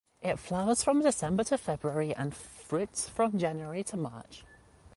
It flowers from December to February and fruits from January to March.